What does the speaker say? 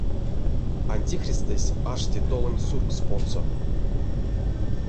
Антихристэсь ашти толонь суркс потсо.